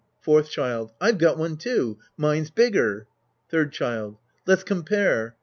Fourth Child. I've got one too. Mine's bigger. Third Child. Let's compare.